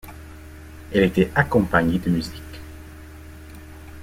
Elle était accompagnée de musique.